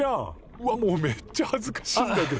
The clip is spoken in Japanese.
うわもうめっちゃはずかしいんだけど。